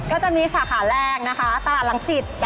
ก็จะมีสาขาแรกนะคะตลาดรังสิต